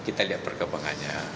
ya kita lihat perkembangannya